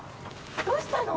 どうしたの！？